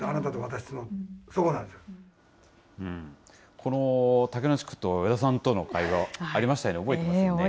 この竹野地区と依田さんとの会話ありましたよね、覚えてますよ。